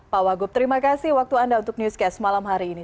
pak wagub terima kasih waktu anda untuk newscast malam hari ini